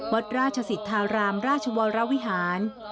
วัดราชสิทธารามราชวรรมหาวิฮาน